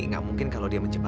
kamu gak apa apa